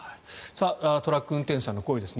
トラック運転手さんの声です。